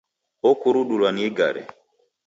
Okurudulwa ni igare.